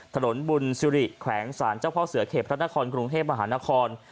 ถนนบุญสิริแขวงศาลเจ้าพ่อเสือเขตพระนครกรุงเทพมหานคร